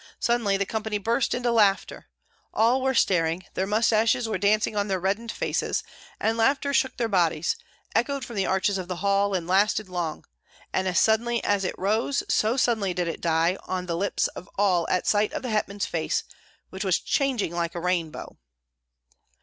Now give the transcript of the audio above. Suddenly the company burst out into laughter. All were staring, their mustaches were dancing on their reddened faces, and laughter shook their bodies, echoed from the arches of the hall, and lasted long; and as suddenly as it rose so suddenly did it die on the lips of all at sight of the hetman's face, which was changing like a rainbow.